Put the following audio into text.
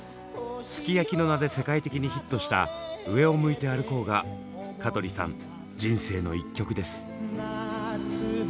「ＳＵＫＩＹＡＫＩ」の名で世界的にヒットした「上を向いて歩こう」が香取さん人生の１曲です。